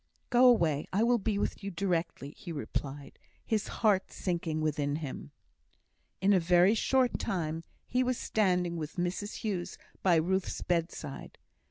"Go away, I will be with you directly!" he replied, his heart sinking within him. In a very short time he was standing with Mrs Hughes by Ruth's bedside.